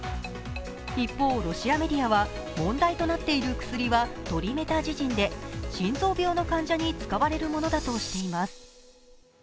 一方、ロシアメディアは問題となっている薬はトリメタジジンで心臓病の患者に使われるものだとしています。